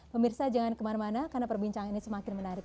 pemirsa jangan kemana mana karena perbincangan ini semakin menarik